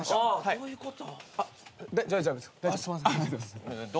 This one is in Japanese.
どういうこと？